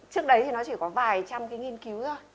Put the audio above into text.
trước đấy thì nó chỉ có vài trăm cái nghiên cứu thôi